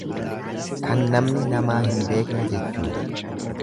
Kan namni namaa hin beekne jechuudha.